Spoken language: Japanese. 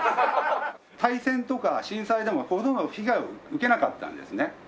大戦とか震災でもほとんど被害を受けなかったんですね。